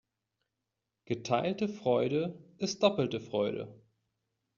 Geteilte Freude ist doppelte Freude.